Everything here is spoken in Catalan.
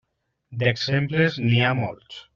D'exemples n'hi ha molts.